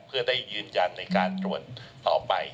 เพื่อได้ยืนยันในการตรวจต่อไป